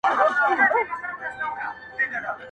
ستا په یوه تصویر مي شپږ میاشتي ګُذران کړی دی.